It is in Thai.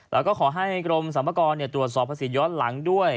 แล้วก็ขอให้กรมสรรพากรตรวจสอบภาษีย้อนหลังด้วย